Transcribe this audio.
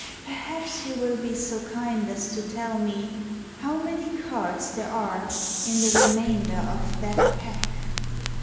Perhaps you will be so kind as to tell me how many cards there are in the remainder of that pack